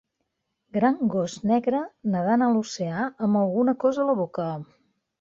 Gran gos negre nedant a l'oceà amb alguna cosa a la boca.